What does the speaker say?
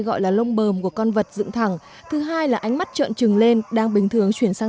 gọi là lông bơm của con vật dựng thẳng thứ hai là ánh mắt trượn trừng lên đang bình thường chuyển sang